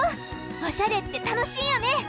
おしゃれってたのしいよね！